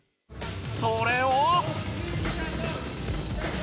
それを。